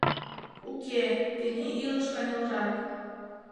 Уке-э, тений илыш каньылырак.